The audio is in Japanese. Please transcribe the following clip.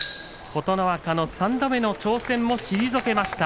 琴ノ若も３度目の挑戦も退けました。